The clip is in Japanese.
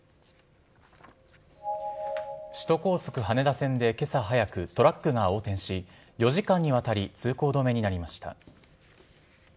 首都高速羽田線でけさ早く、トラックが横転し、４時間にわたり通行止めになりました。